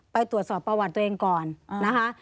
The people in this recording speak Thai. ไปตรวจสอบประวัติตัวเองก่อนนะคะ